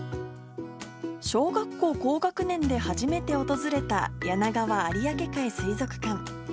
小学校高学年で初めて訪れたやながわ有明海水族館。